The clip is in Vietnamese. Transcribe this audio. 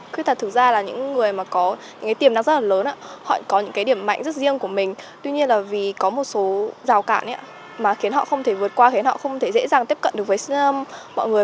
khuyết tật thực ra là những người mà có những cái tiềm năng rất là lớn ạ có những cái điểm mạnh rất riêng của mình tuy nhiên là vì có một số rào cản mà khiến họ không thể vượt qua khiến họ không thể dễ dàng tiếp cận được với mọi người